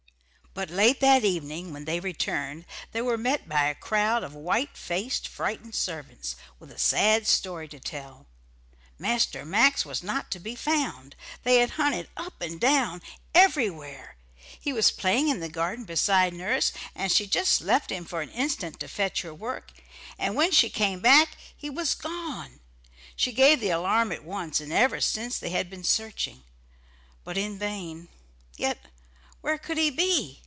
But late that evening when they returned, they were met by a crowd of white faced frightened servants, with a sad story to tell. "Master Max was not to be found. They had hunted up and down everywhere. He was playing in the garden beside nurse, and she just left him for an instant to fetch her work, and when she came back he was gone she gave the alarm at once, and ever since they had been searching." But in vain. Yet where could he be?